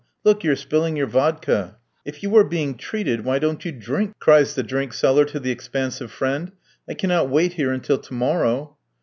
Look, you are spilling your vodka." "If you are being treated, why don't you drink?" cries the drink seller, to the expansive friend. "I cannot wait here until to morrow."